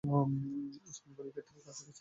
ওসমান গনির ক্ষেত্রেও তা ঘটেছে।